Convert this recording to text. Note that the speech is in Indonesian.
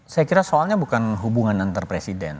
saya kira soalnya bukan hubungan antar presiden